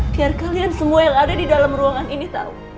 biar kalian semua yang ada di dalam ruangan ini tahu